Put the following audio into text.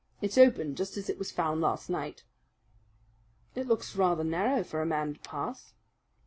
It's open just as it was found last night." "It looks rather narrow for a man to pass."